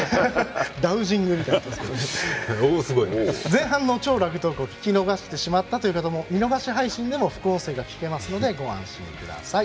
前半の「超ラグトーク」を聞き逃してしまった方も見逃し配信でも副音声が聞けますのでご安心ください。